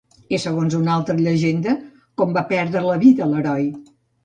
I segons una altra llegenda, com va perdre la vida l'heroi?